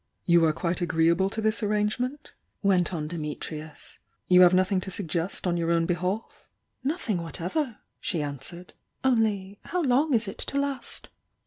"You are quite agreeable to this arrangement?" went on Dimitrius— "You have nothing to suggest on your own behalf?" 11 ■I ' 264 THE YOUNG DIANA "Nothing whatever!" she answered. "Only— how long is it to last?"